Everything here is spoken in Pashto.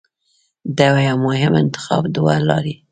د یوه مهم انتخاب دوه لارې